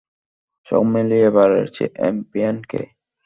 সব মিলিয়ে এবারে চ্যাম্পিয়ন কে?